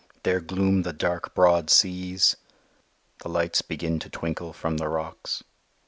There gloom the dark broad seas. The lights begin to twinkle from the rocks.